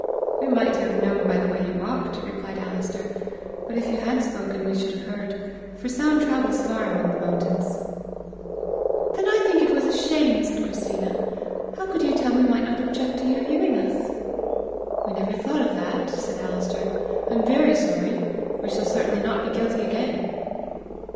"We might have known by the way you walked," replied Alister. "But if you had spoken we should have heard, for sound travels far among the mountains!" "Then I think it was a shame!" said Christina. "How could you tell that we might not object to your hearing us?" "We never thought of that!" said Alister. "I am very sorry. We shall certainly not be guilty again!"